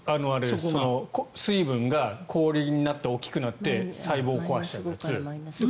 水分が氷になって大きくなって細胞を壊しちゃうやつ。